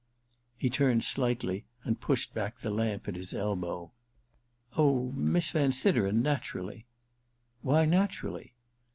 * He turned slightly and pushed back the lamp at his elbow. * Oh, Miss Van Sideren — naturally '* Why naturally